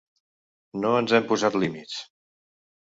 No ens hem posat límits.